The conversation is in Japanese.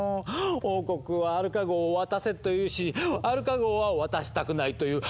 王国はアルカ号を渡せと言うしアルカ号は渡したくないと言う。